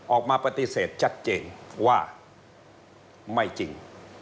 ออกมาปฏิเสธชัดเจนว่าไม่จริง